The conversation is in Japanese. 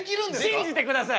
信じてください。